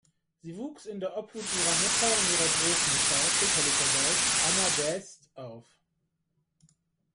Sie wuchs in der Obhut ihrer Mutter und ihrer Großmutter väterlicherseits, Anna d’Este, auf.